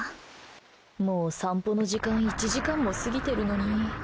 もう散歩の時間１時間も過ぎてるのに。